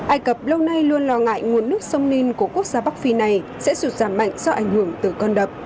ai cập lâu nay luôn lo ngại nguồn nước sông ninh của quốc gia bắc phi này sẽ sụt giảm mạnh do ảnh hưởng từ con đập